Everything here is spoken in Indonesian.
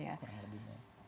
iya kurang lebih